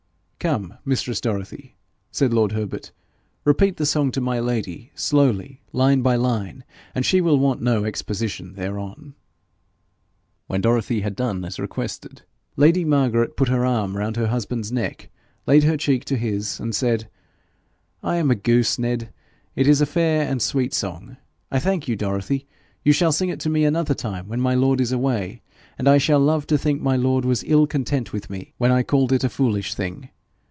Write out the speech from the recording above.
'Come, mistress Dorothy,' said lord Herbert, 'repeat the song to my lady, slowly, line by line, and she will want no exposition thereon.' When Dorothy had done as he requested, lady Margaret put her arm round her husband's neck, laid her cheek to his, and said, 'I am a goose, Ned. It is a fair and sweet song. I thank you, Dorothy. You shall sing it to me another time when my lord is away, and I shall love to think my lord was ill content with me when I called it a foolish thing.